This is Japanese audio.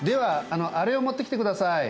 あのあれを持ってきてください。